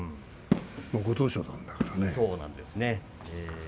ご当所なんだからね。